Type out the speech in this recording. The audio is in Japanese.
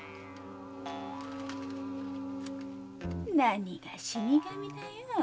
何が死神だよ！